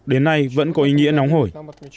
đến nay vẫn có ý nghĩa nóng hổi